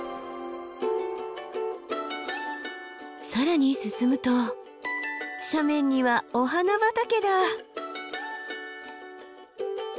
更に進むと斜面にはお花畑だ！